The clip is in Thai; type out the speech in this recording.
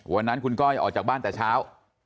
วันนั้นคุณก้อยออกจากบ้านแต่เช้า